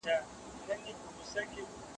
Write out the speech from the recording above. زه انځورونه رسم کړي دي؟